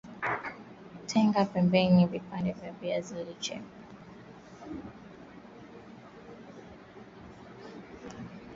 Tenga pembeni vipande vya viazi lishe